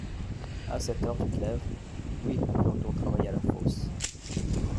A cette heure, tu te lèves ? Oui, je retourne travailler à la fosse.